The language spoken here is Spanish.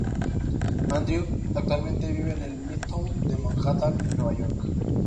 Andrew actualmente vive en el Midtown de Manhattan, en Nueva York.